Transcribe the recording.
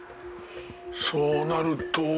そうなると。